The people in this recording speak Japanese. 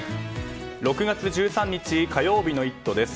６月１３日、火曜日の「イット！」です。